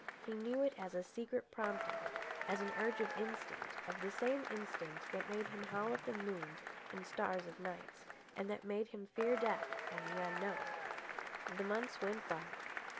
He knew it as a secret prompting, as an urge of instinct—of the same instinct that made him howl at the moon and stars of nights, and that made him fear death and the unknown. The months went by.